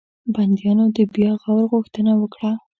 بنديانو د بیا غور غوښتنه وکړه.